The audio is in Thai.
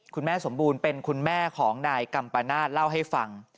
คุณแม่สมบูรณ์เป็นคุณแม่ของนายกัมปนาศเล่าให้ฟัง